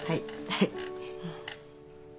はい。